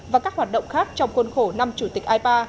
và các hoạt động khác trong khuôn khổ năm chủ tịch i ba